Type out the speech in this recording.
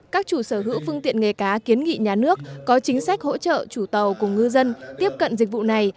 các chủ sở hữu phương tiện nghề cá kiến nghị nhà nước có chính sách hỗ trợ chủ tàu cùng ngư dân tiếp cận dịch vụ này